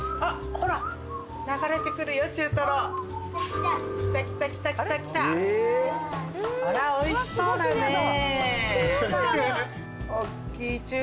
ほらおいしそうだね。